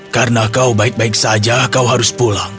karena kau baik baik saja kau harus pulang